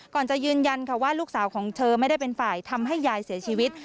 ก่อนจะยืนยันค่ะว่าลูกสาวของเธอไม่ได้เป็นฝ่ายทำให้ยายเสียชีวิต